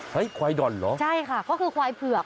ควายด่อนเหรอใช่ค่ะก็คือควายเผือก